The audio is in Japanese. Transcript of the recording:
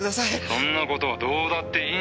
「そんな事はどうだっていいんだよ」